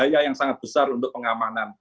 daya yang sangat besar untuk pengamanan